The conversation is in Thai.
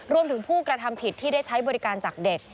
ผู้กระทำผิดที่ได้ใช้บริการจากเด็ก